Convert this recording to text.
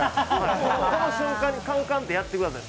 この瞬間にカンカンとやってください。